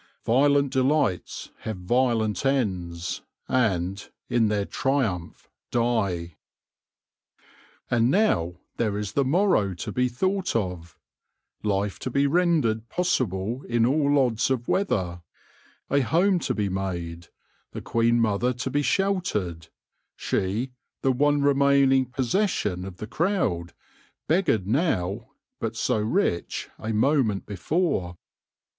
" Violent delights have violent ends, And, in their triumph, die." And now there is the morrow to be thought of : life to be rendered possible in all odds of weather ; a home to be made ; the queen mother to be sheltered — she, the one remaining possession of the crowd, beggared now, but so rich a moment before.